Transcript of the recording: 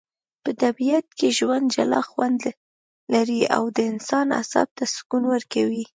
په طبیعت کي ژوند جلا خوندلري.او د انسان اعصاب ته سکون ورکوي